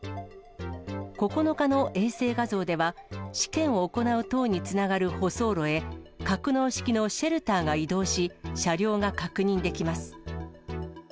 ９日の衛星画像では、試験を行う塔につながる舗装路へ、格納式のシェルターが移動し、車両が確認できます。